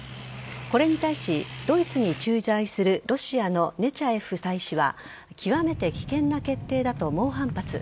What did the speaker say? これに対しドイツに駐在するロシアのネチャエフ大使は極めて危険な決定だと猛反発。